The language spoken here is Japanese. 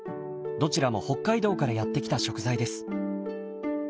どちらも北海道からやって来た食材です。